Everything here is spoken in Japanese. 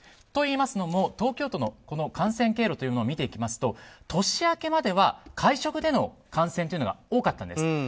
といいますのも東京都の感染経路を見ていきますと年明けまでは会食での感染というのが多かったんです。